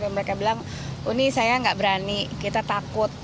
mereka bilang ini saya tidak berani kita takut